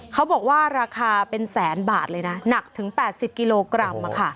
เขาบอกว่าราคาเป็นแสนบาทเลยนะหนักถึง๘๐กิโลกรัม